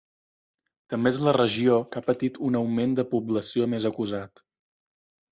També és la regió que ha patit un augment de població més acusat.